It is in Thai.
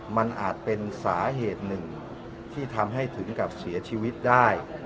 มันอาจเป็นสาเหตุหนึ่งที่ทำให้ถึงกับเสียชีวิตได้